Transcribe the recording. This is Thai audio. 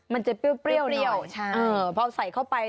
มันจะเปรี้ยวพอใส่เข้าไป